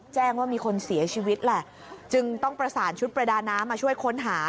แจ้งว่ามีคนเสียชีวิตแหละจึงต้องประสานชุดประดาน้ำมาช่วยค้นหา